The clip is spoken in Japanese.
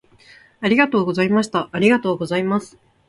ありがとうございました。ありがとうございます。